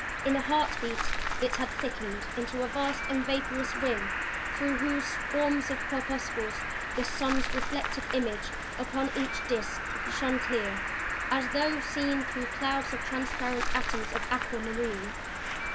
In a heart beat it had thickened into a vast and vaporous ring through whose swarms of corpuscles the sun's reflected image upon each disk shone clear as though seen through clouds of transparent atoms of aquamarine.